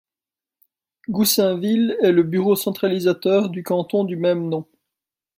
Goussainville est le bureau centralisateur du canton du même nom.